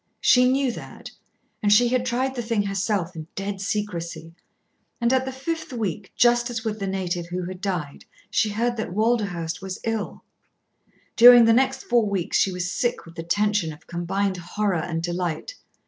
She knew that. And she had tried the thing herself in dead secrecy. And at the fifth week, just as with the native who had died, she heard that Walderhurst was ill. During the next four weeks she was sick with the tension of combined horror and delight.